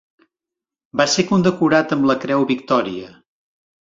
Va ser condecorat amb la Creu Victòria.